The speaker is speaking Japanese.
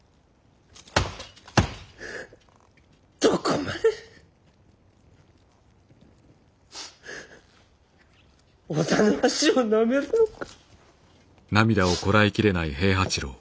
どこまで織田の足をなめるのか！